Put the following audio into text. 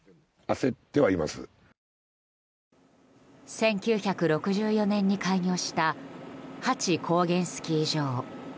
１９６４年に開業したハチ高原スキー場。